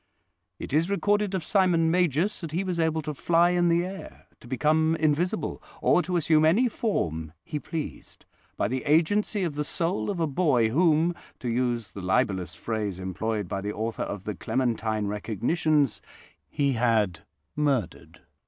"It is recorded of Simon Magus that he was able to fly in the air, to become invisible, or to assume any form he pleased, by the agency of the soul of a boy whom, to use the libellous phrase employed by the author of the Clementine Recognitions, he had 'murdered'.